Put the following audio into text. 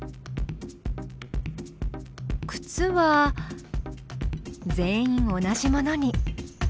くつは全員同じものに。